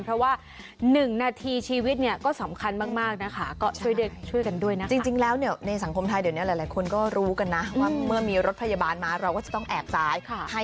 เพราะว่า๑นาทีชีวิตก็สำคัญมากนะคะ